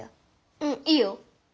うんいいよ。